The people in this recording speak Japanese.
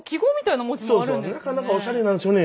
なかなかおしゃれなんですよね。